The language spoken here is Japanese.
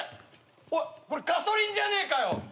おいこれガソリンじゃねえかよ。